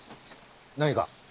何か？